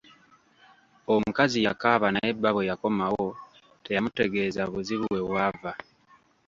Omukazi yakaaba naye bba bwe yakomawo teyamutegeeza buzibu we bwava.